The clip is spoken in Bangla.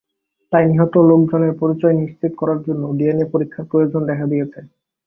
তাই নিহত লোকজনের পরিচয় নিশ্চিত করার জন্য ডিএনএ পরীক্ষার প্রয়োজন দেখা দিয়েছে।